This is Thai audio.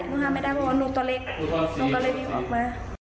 ห้ามไม่ได้เพราะว่าหนูตัวเล็กหนูก็เลยวิ่งออกมา